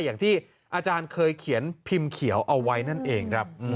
อย่างที่อาจารย์เคยเขียนพิมพ์เขียวเอาไว้นั่นเองครับ